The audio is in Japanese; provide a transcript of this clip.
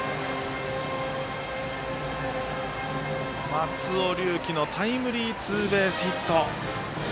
松尾龍樹のタイムリーツーベースヒット。